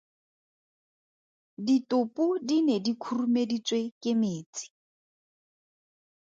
Ditopo di ne di khurumeditswe ke metsi.